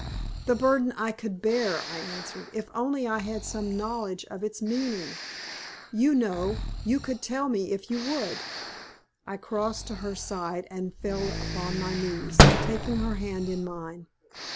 "The burden I could bear," I answered, "if only I had some knowledge of its meaning. You know, you could tell me if you would." I crossed to her side and fell upon my knees, taking her hand in mine.